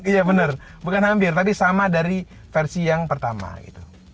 iya benar bukan hampir tadi sama dari versi yang pertama gitu